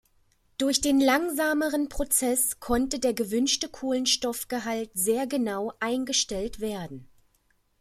Durch den langsameren Prozess konnte der gewünschte Kohlenstoffgehalt sehr genau eingestellt werden.